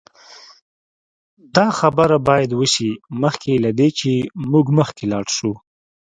دا خبره باید وشي مخکې له دې چې موږ مخکې لاړ شو